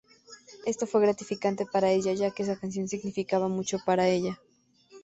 Esto fue muy gratificante para ella ya que esa canción significaba mucho para ella.